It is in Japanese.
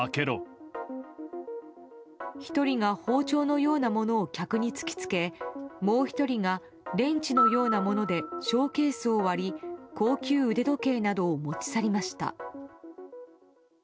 １人が包丁のようなものを客に突きつけもう１人がレンチのようなものでショーケースを割り高級腕時計などを持ち去りました。